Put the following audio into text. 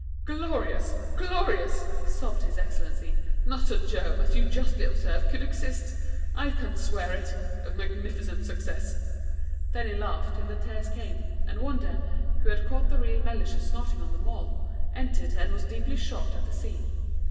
'Glorious! Glorious!' sobbed His Excellency. 'Not a germ, as you justly observe, could exist! I can swear it. A magnificent success!' Then he laughed till the tears came, and Wonder, who had caught the real Mellishe snorting on the Mall, entered and was deeply shocked at the scene.